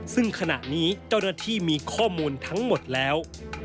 ซึ่งขณะนี้เจ้าหน้าที่มีข้อมูลทั้งหมดแล้ว